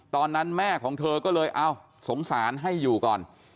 ตอนนั้นแม่ของเธอก็เลยเอ้าสงสารให้อยู่ก่อน